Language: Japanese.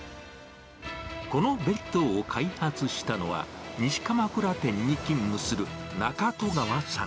この弁当を開発したのは、西鎌倉店に勤務する中戸川さん。